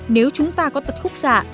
nếu chúng ta có tật khúc giả